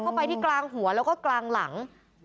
ไปที่กลางหัวแล้วก็กลางหลัง